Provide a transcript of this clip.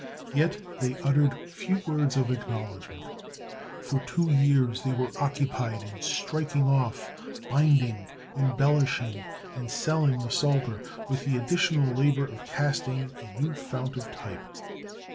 Yet they uttered few words of acknowledgment. For two years they were occupied in striking off, binding, embellishing, and selling the Psalter, with the additional labor of casting a new fount of type.